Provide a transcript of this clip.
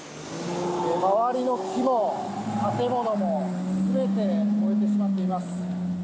周りの木も建物もすべて燃えてしまっています。